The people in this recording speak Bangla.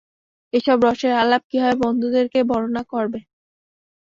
এসব রসের আলাপ কিভাবে বন্ধুদেরকে বর্ণনা করবে?